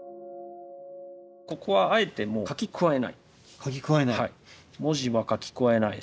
ここはあえて書き加えない？